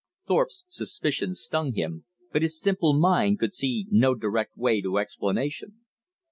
Thorpe's suspicions stung him, but his simple mind could see no direct way to explanation.